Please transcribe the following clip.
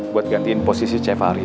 saya jadi gak bisa bebas lagi